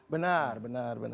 benar benar benar